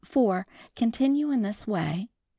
Continue in this way (No.